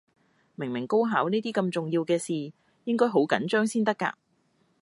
明明高考呢啲咁重要嘅事，應該好緊張先得㗎